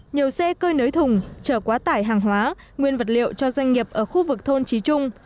nhiều xe cơi nới thùng trở quá tải hàng hóa nguyên vật liệu cho doanh nghiệp ở khu vực thôn trí trung